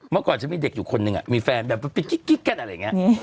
เมื่อก่อนฉันมีเด็กอยู่คนหนึ่งมีแฟนแบบเป็นกิ๊กกันอะไรอย่างนี้